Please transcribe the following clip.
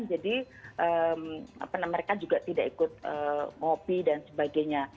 jadi mereka juga tidak ikut ngopi dan sebagainya